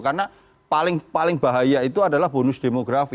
karena paling paling bahaya itu adalah bonus demografi